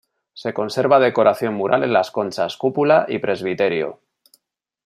Se conserva decoración mural en las conchas, cúpula y presbiterio.